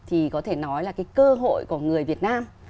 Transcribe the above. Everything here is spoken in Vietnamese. thì có thể nói là cái cơ hội của người việt nam